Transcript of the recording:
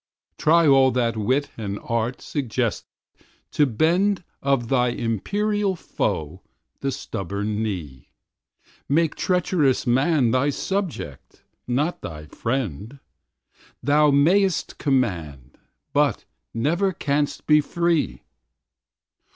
Try all that wit and art suggest to bend Of thy imperial foe the stubborn knee; Make treacherous Man thy subject, not thy friend; Thou mayst command, but never canst be free.